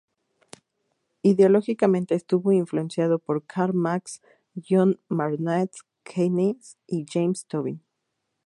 Ideológicamente estuvo influenciado por Karl Marx, John Maynard Keynes y James Tobin.